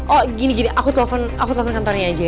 oh gini gini aku telfon kantornya aja ya